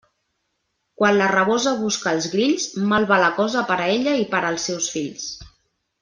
Quan la rabosa busca els grills, mal va la cosa per a ella i per als seus fills.